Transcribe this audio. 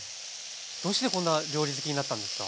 どうしてこんな料理好きになったんですか